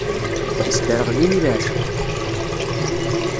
Isderɣel-iyi leɛceq.